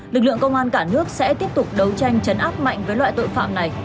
lực lượng công an cả nước sẽ tiếp tục đấu tranh chấn áp mạnh với loại tội phạm này